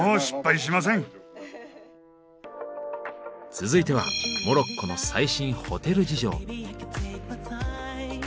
続いてはモロッコの最新ホテル事情。